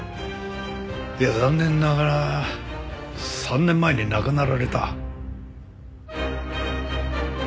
残念ながら３年前に亡くなられた。